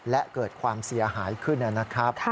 และเกิดความเสียหายขึ้นนะครับ